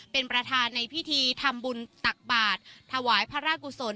เป็นประธานในพิธีทำบุญตักบาทถวายพระราชกุศล